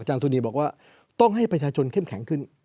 สุนีบอกว่าต้องให้ประชาชนเข้มแข็งขึ้น